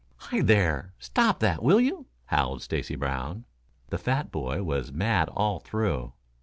"Hi, there! Stop that, will you?" howled Stacy Brown. The fat boy was mad all through.